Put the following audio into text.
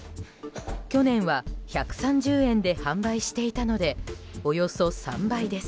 去年は１３０円で販売していたのでおよそ３倍です。